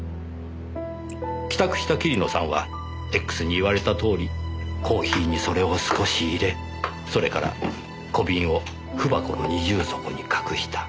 帰宅した桐野さんはＸに言われたとおりコーヒーにそれを少し入れそれから小瓶を文箱の二重底に隠した。